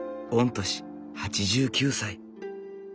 御年８９歳。